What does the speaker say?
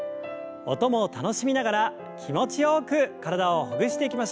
音も楽しみながら気持ちよく体をほぐしていきましょう。